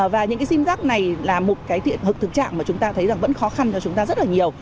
và những sim giác này là một thực trạng mà chúng ta thấy vẫn khó khăn cho chúng ta rất là nhiều